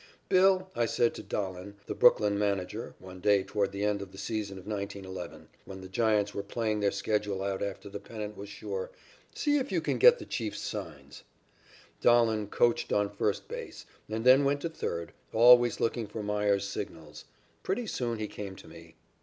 "Bill," I said to Dahlen, the Brooklyn manager, one day toward the end of the season of 1911, when the Giants were playing their schedule out after the pennant was sure, "see if you can get the Chief's signs." Dahlen coached on first base and then went to third, always looking for Meyers's signals. Pretty soon he came to me.